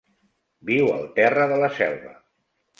Viu al terra de la selva.